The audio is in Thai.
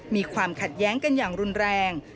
มีความขัดแย้งกันอย่างรุนแรง